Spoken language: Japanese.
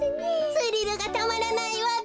スリルがたまらないわべ。